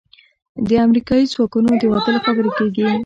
د امریکايي ځواکونو د وتلو خبرې کېږي.